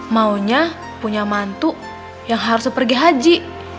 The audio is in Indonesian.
maunya punya mantu yang harus pergi haji